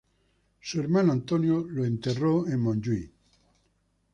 Su hermano Antonio lo enterró en Montjuich.